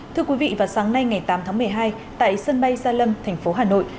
thưa quý vị vào sáng nay ngày tám tháng một mươi hai tại sân bay gia lâm thành phố hà nội